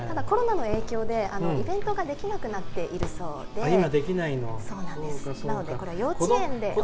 コロナの影響でイベントができなくなっているそうでなので、これは幼稚園で。